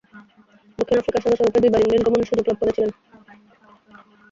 দক্ষিণ আফ্রিকার সদস্যরূপে দুইবার ইংল্যান্ড গমনের সুযোগ লাভ করেছিলেন।